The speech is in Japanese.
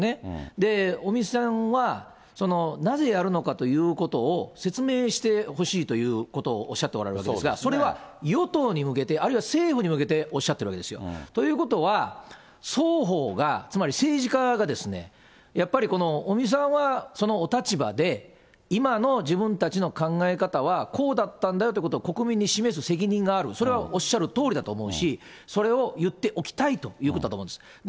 で、尾身さんは、なぜやるのかということを説明してほしいということをおっしゃっておられますが、それは、与党に向けて、あるいは政府に向けておっしゃってるわけですよ。ということは、双方が、つまり政治家がですね、やっぱりこの、尾身さんはそのお立場で、今の自分たちの考え方はこうだったんだよということを国民に示す責任がある、それはおっしゃるとおりだと思うし、それを言っておきたいということだと思うんです。